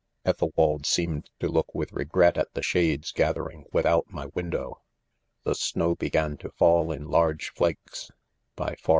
i Ethelwald seemed to look with" regret at the shades gathering without my : window,*— the snow began to" fall in large flakes ; by for e5 106 IDOMEN.